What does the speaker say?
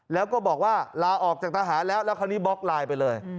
แล้วก็บอกว่าลาออกจากทหารแล้วแล้วคราวนี้บล็อกไลน์ไปเลย